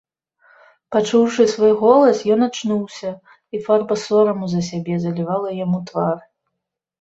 Пачуўшы свой голас, ён ачнуўся, і фарба сораму за сябе залівала яму твар.